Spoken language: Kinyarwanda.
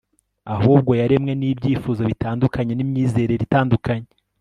ahubwo yaremwe nibyifuzo bitandukanye n'imyizerere itandukanye